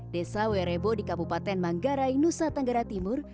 desa werebo di kabupaten manggarai nusa tenggara timur